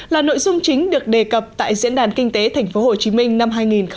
là nội dung chính được đề cập tại diễn đàn kinh tế tp hcm năm hai nghìn một mươi chín